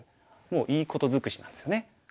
もういいこと尽くしなんですよね。